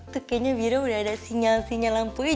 tuh kayaknya bira udah ada sinyal sinyal yang berbeda